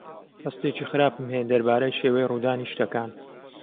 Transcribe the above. هەستێکی خراپم هەیە دەربارەی شێوەی ڕوودانی شتەکان.